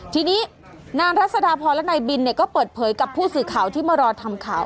ทีนี้นางรัศดาพรและนายบินก็เปิดเผยกับผู้สื่อข่าวที่มารอทำข่าว